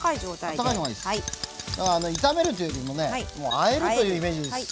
だから炒めるというよりもねもうあえるというイメージです。